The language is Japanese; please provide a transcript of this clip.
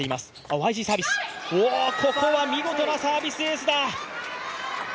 ＹＧサービス、ここは見事なサービスエースだ。